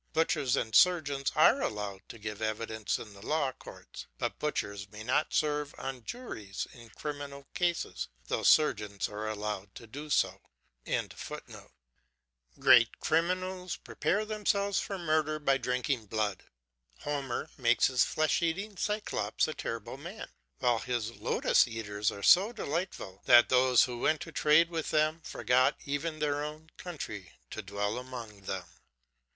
Butchers and surgeons are allowed to give evidence in the law courts, but butchers may not serve on juries in criminal cases, though surgeons are allowed to do so.] Great criminals prepare themselves for murder by drinking blood. Homer makes his flesh eating Cyclops a terrible man, while his Lotus eaters are so delightful that those who went to trade with them forgot even their own country to dwell among them.